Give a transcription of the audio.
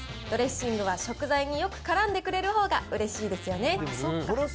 ドレッシングは食材によくからんでくれるほうがうれしいですよね。